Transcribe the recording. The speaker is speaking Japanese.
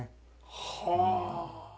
はあ。